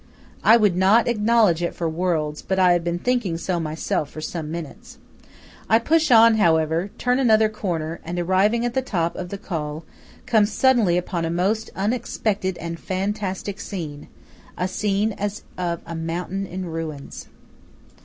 I would not acknowledge it for worlds, but I have been thinking so myself for some minutes. I push on, however turn another corner, and arriving at the top of the Col, come suddenly upon a most unexpected and fantastic scene–a scene as of a mountain in ruins.